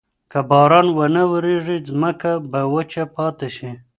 که باران ونه وریږي، ځمکه به وچه پاتې شي.